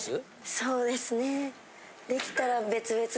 そうですね。